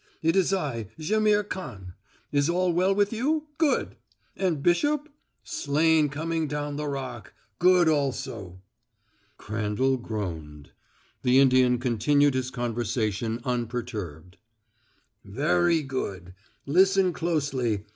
It is I, Jaimihr Khan. Is all well with you? Good! And Bishop? Slain coming down the Rock good also!" Crandall groaned. The Indian continued his conversation unperturbed. "Veree good! Listen closely.